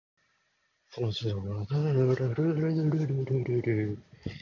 そのうちどこか遠いところ、未来から謎の電波や、遠い宇宙の惑星からメッセージを受信しそうな気配があった